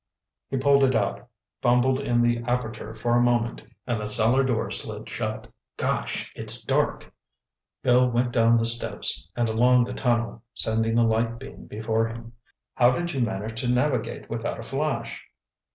He pulled it out, fumbled in the aperture for a moment and the cellar door slid shut. "Gosh, it's dark—" Bill went down the steps and along the tunnel, sending the light beam before him. "How did you manage to navigate without a flash?"